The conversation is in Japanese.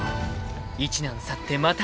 ［一難去ってまた